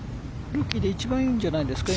ルーキーで今一番いいんじゃないですか？